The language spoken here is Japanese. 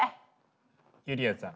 ゆりやんさん。